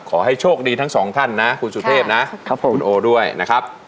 ขอให้โชคดีทั้งสองท่านนะคุณสุเทพนะคุณโอด้วยนะครับ